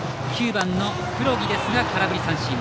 ９番の黒木ですが空振り三振。